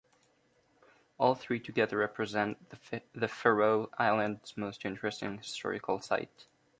All three together represent the Faroe Island's most interesting historical site.